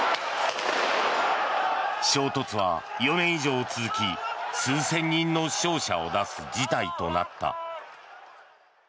衝突は４年以上続き数千人の死傷者を出す事態となった。